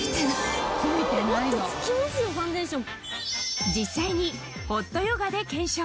もっとつきますよファンデーション。